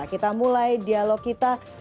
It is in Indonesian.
kita mulai dialog kita